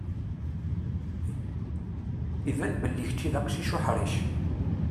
Iban belli kečči d aqcic uḥṛic.